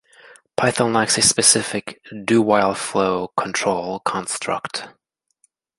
Python lacks a specific do while flow control construct.